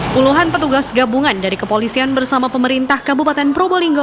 puluhan petugas gabungan dari kepolisian bersama pemerintah kabupaten probolinggo